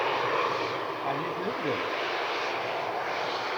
Ɛni theblemt?